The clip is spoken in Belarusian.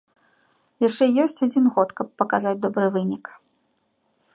Яшчэ ёсць адзін год, каб паказаць добры вынік.